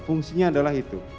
fungsinya adalah itu